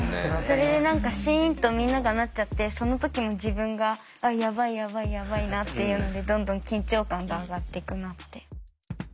それで何かシンとみんながなっちゃってその時に自分がやばいやばいやばいなっていうのでどんどん緊張感が上がっていくなって。